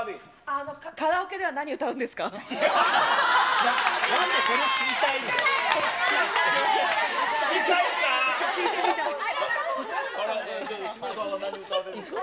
カラオケでは何歌うんですか？